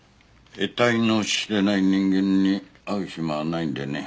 得体の知れない人間に会う暇はないんでね。